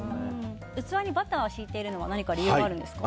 器にバターひいてるのは何か理由があるんですか？